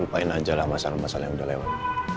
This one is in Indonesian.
lupain aja lah masalah masalah yang udah lewat